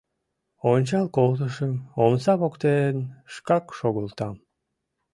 Ончал колтышым — омса воктен шкак шогылтам.